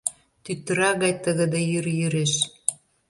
Тӱтыра гай тыгыде йӱр йӱреш.